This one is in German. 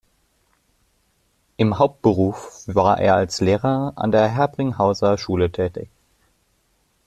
Im Hauptberuf war er als Lehrer an der Herbringhauser Schule tätig.